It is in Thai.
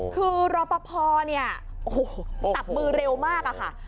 คือโรปพอร์เนี่ยสับมือเร็วมากค่ะ